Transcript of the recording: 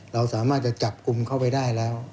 เราสามารถจะจับกลุ่มเข้าไปได้แล้ว